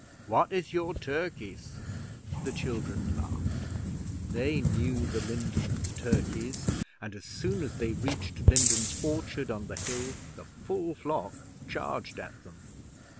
What is your Turkis?' The children laughed. They knew the Lindens turkeys, and as soon as they reached Lindens orchard on the hill the full flock charged at them.